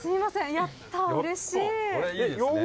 やったうれしい！